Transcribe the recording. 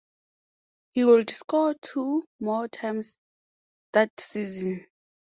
He would score two more times that season.